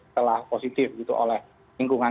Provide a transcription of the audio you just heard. telah positif gitu oleh lingkungan